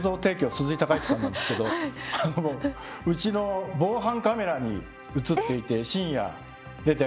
鈴井貴之さん」なんですけどうちの防犯カメラに写っていて深夜出て。